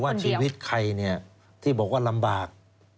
คุณนิวว่าชีวิตใครที่บอกว่าลำบาก